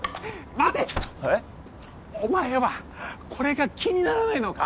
待てッお前はこれが気にならないのか？